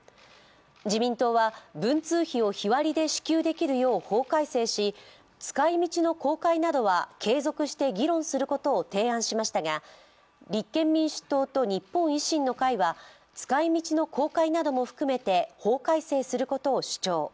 自民党は文通費を日割りで支給できるよう法改正し使いみちの公開などは継続して議論することを提案しましたが立憲民主党と日本維新の会は使い道の公開なども含めて法改正することを主張。